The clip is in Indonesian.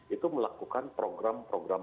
itu melakukan program program